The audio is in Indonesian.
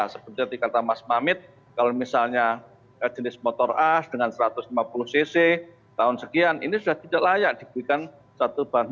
seperti kata mas mamit kalau misalnya jenis motor a dengan satu ratus lima puluh cc tahun sekian ini sudah tidak layak diberikan satu bahan